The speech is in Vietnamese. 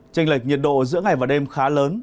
tranh lệch nhiệt độ giữa ngày và đêm khá lớn